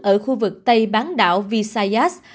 ở khu vực tây bán đảo visayas